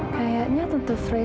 kayaknya tentu fri